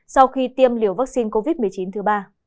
sau khi tiêm liều vaccine covid một mươi chín thứ ba